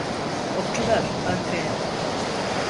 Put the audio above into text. Okçular arkaya.